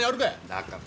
だから。